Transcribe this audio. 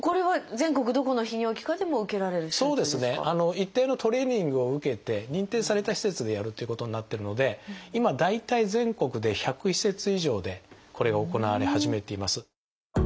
一定のトレーニングを受けて認定された施設でやるということになってるので今大体全国で１００施設以上でこれが行われ始めています。